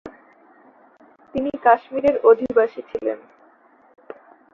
তিনি কাশ্মীরের অধিবাসী ছিলেন।